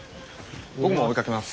僕も追いかけます。